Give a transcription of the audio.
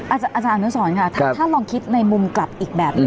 อาจารย์อีมนุเศาส์เนี่ยถ้าลองคิดในมุมกลับอีกแบบ